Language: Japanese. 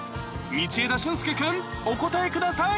道枝駿佑君お答えください